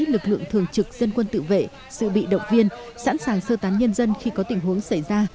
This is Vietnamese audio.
lực lượng thường trực dân quân tự vệ sự bị động viên sẵn sàng sơ tán nhân dân khi có tình huống xảy ra